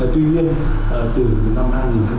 tuy nhiên từ năm hai nghìn một mươi bốn